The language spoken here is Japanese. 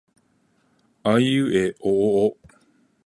あいうえおおお